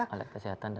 alat kesehatan dan